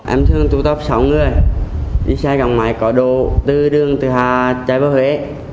em thường tụ tập sáu người đi xe gặng máy có độ bốn đường từ hà trái với huế